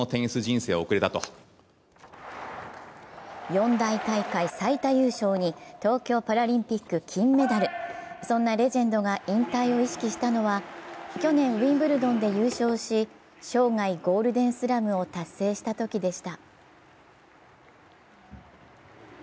四大大会最多優勝に東京パラリンピック金メダル、そんなレジェンドが引退を意識したのは去年ウィンブルドンで優勝し、生涯ゴールデンスラムを達成したときでした。